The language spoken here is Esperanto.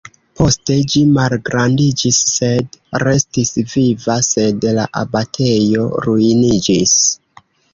Poste ĝi malgrandiĝis sed restis viva, sed la abatejo ruiniĝis.